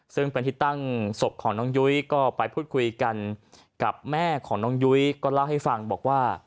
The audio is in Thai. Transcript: ซึ่งเป็นที่ตั้งศพของน้องยุ้ยก็ไปพูดคุยกันกับแม่ของน้องยุ้ยก็เล่าให้ฟังบอกว่า